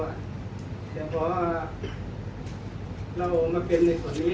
แต่พอเรามาเป็นในส่วนนี้